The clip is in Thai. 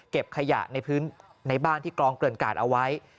เก็บขยะในบ้านที่กรองเกลือนกาดเอาไว้